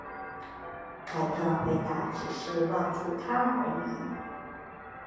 凯特回答只是望住他而已。